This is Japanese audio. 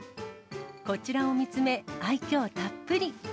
こちらを見つめ、愛きょうたっぷり。